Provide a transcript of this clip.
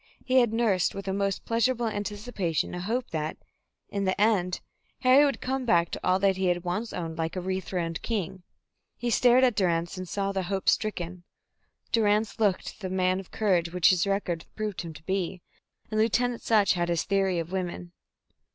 He had nursed with a most pleasurable anticipation a hope that, in the end, Harry would come back to all that he once had owned, like a rethroned king. He stared at Durrance and saw the hope stricken. Durrance looked the man of courage which his record proved him to be, and Lieutenant Sutch had his theory of women.